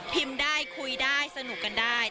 ได้คุยได้สนุกกันได้